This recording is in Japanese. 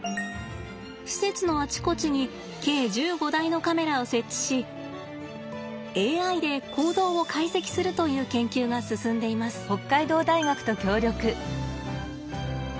施設のあちこちに計１５台のカメラを設置しＡＩで行動を解析するという研究が進んでいます。